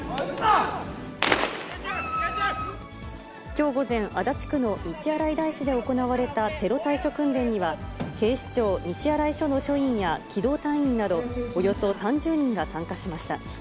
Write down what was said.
きょう午前、足立区の西新井大師で行われたテロ対処訓練には、警視庁西新井署の署員や機動隊員など、およそ３０人が参加しました。